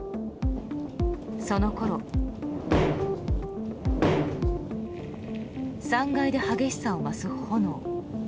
そのころ３階で激しさを増す炎。